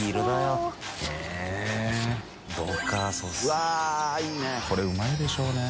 うわっいいね。これうまいでしょうね。